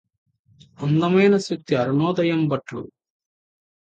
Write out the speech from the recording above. అందమైన సూక్తి అరుణోదయంబట్లు